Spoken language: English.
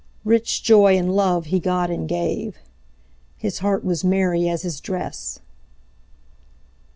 Rich joy and love he got and gave; His heart was merry as his dress.